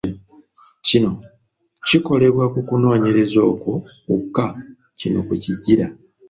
Kino kikolebwa ku kunooyereza okwo kwokka kino kwe kijjira.